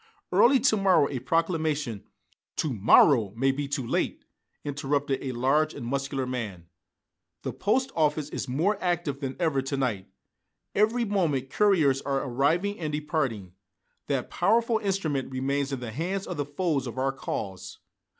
Early to morrow a proclamation " "To morrow may be too late," interrupted a large and muscular man. "The post office is more active than ever to night. Every moment couriers are arriving and departing. That powerful instrument remains in the hands of the foes of our cause!